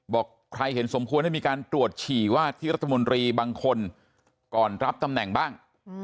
บอกใครเห็นสมควรให้มีการตรวจฉี่ว่าที่รัฐมนตรีบางคนก่อนรับตำแหน่งบ้าง